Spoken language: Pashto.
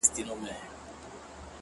هغه دي مړه سي زموږ نه دي په كار!